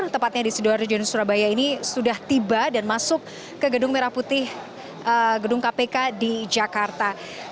tepatnya di sidoarjo dan surabaya ini sudah tiba dan masuk ke gedung merah putih gedung kpk di jakarta